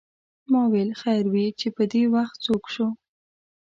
ما ویل خیر وې چې پدې وخت څوک شو.